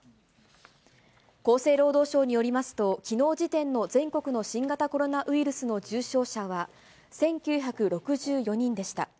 厚生労働省によりますと、きのう時点の全国の新型コロナウイルスの重症者は、１９６４人でした。